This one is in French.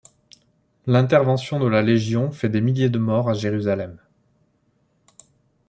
L'intervention de la légion fait des milliers de morts à Jérusalem.